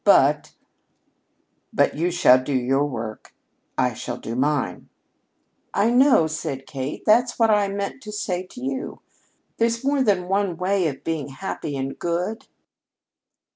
But " "But you shall do your work: I shall do mine." "I know," said Kate. "That's what I meant to¸ say to you. There's more than one way of being happy and good."